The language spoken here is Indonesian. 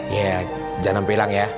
ya jangan sampai hilang ya